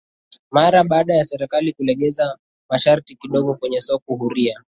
Mara baada ya serikali kulegeza masharti kidogo kwenye soko huria